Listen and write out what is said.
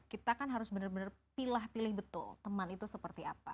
kita kan harus benar benar pilih betul teman itu seperti apa